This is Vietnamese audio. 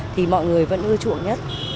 thì mọi người vẫn ưa chuộng nhất